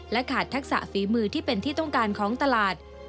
ขาดทักษะฝีมือที่เป็นที่ต้องการของตลาด